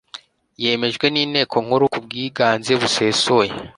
yemejwe n inteko nkuru ku bwiganze busesuye